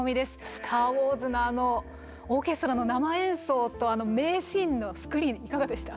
「スター・ウォーズ」のあのオーケストラの生演奏とあの名シーンのスクリーンいかがでした？